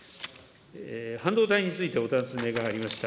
半導体についてお尋ねがありました。